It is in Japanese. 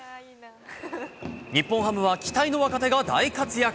日本ハムは期待の若手が大活躍。